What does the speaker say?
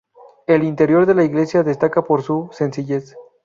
El interior de la iglesia destaca por su sencillez.